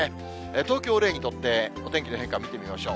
東京を例にとって、お天気の変化見てみましょう。